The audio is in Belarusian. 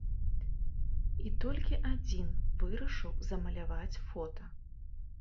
І толькі адзін вырашыў замаляваць фота.